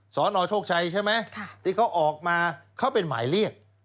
สนโชคชัยใช่ไหมที่เขาออกมาเขาเป็นหมายเรียก